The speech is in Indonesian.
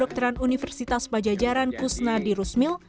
dokteran universitas pajajaran kusnadi rusmil